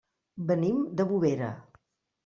Venim de Bovera.